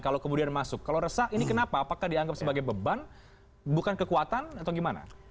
kalau kemudian masuk kalau resah ini kenapa apakah dianggap sebagai beban bukan kekuatan atau gimana